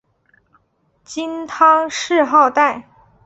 金汤谥号戴。